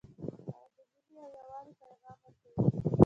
هغه د مینې او یووالي پیغام ورکوي